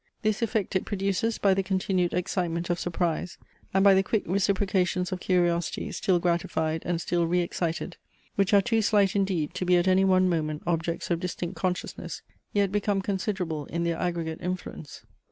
This effect it produces by the continued excitement of surprise, and by the quick reciprocations of curiosity still gratified and still re excited, which are too slight indeed to be at any one moment objects of distinct consciousness, yet become considerable in their aggregate influence.